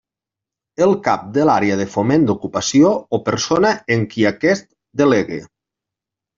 El cap de l'Àrea de Foment d'Ocupació o persona en qui aquest delegue.